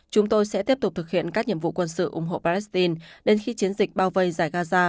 chúng tôi sẽ tiếp tục thực hiện các nhiệm vụ quân sự ủng hộ palestine đến khi chiến dịch bao vây giải gaza